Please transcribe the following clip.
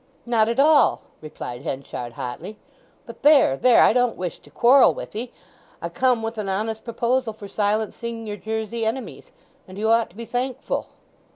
"Not at all!" replied Henchard hotly. "But there, there, I don't wish to quarrel with 'ee. I come with an honest proposal for silencing your Jersey enemies, and you ought to be thankful."